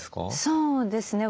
そうですね。